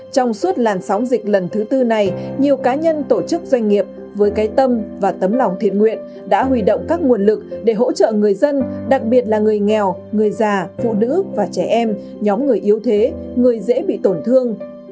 trong suốt làn sóng dịch lần thứ tư này nhiều cá nhân tổ chức doanh nghiệp với cái tâm và tấm lòng thiện nguyện đã huy động các nguồn lực để hỗ trợ người dân đặc biệt là người nghèo người già phụ nữ và trẻ em nhóm người yếu thế người dễ bị tổn thương